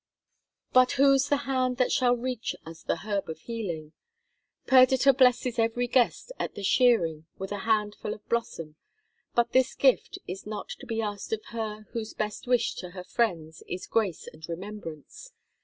But whose the hand that shall reach us the herb of healing? Perdita blesses every guest at the shearing with a handful of blossom; but this gift is not to be asked of her whose best wish to her friends is "grace and remembrance."